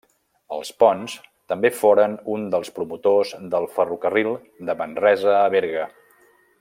Els Pons també foren un dels promotors del ferrocarril de Manresa a Berga.